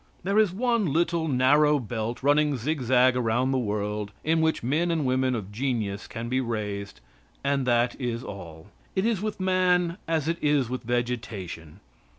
There is one little narrow belt running zigzag around the world, in which men and women of genius can be raised, and that is all. It is with man as it is with vegetation.